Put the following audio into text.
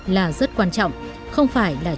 là rất quan trọng